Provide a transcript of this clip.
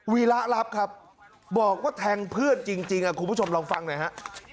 วีระรับครับบอกว่าแทงเพื่อนจริงคุณผู้ชมลองฟังหน่อยฮะ